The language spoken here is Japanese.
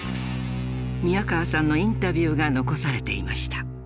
宮河さんのインタビューが残されていました。